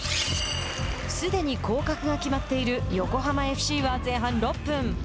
すでに降格が決まっている横浜ＦＣは前半６分。